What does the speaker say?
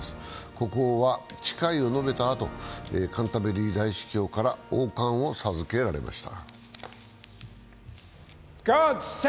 国王は誓いを述べたあと、カンタベリー大主教から王冠を授けられました。